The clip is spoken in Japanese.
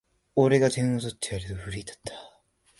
俺が点を取ってやると奮い立った